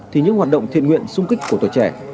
thì những hoạt động thiện nguyện xung kích của tội trẻ